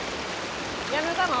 やめたの？